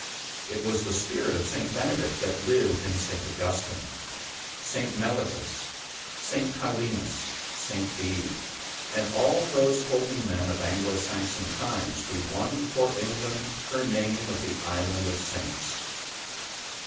It was the spirit of St. Benedict that lived in St. Augustine, St. Mellitus, St. Paulinus, St. Bede, and all those holy men of Anglo Saxon times who won for England her name of the Island of Saints.